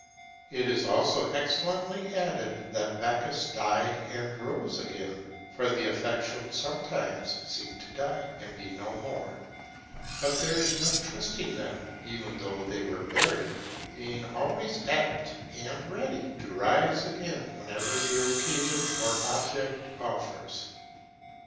It is also excellently added, that Bacchus died and rose again; for the affections sometimes seem to die and be no more; but there is no trusting them, even though they were buried, being always apt and ready to rise again whenever the occasion or object offers.